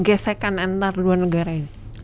gesekan antar dua negara ini